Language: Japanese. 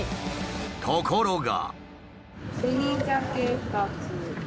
ところが。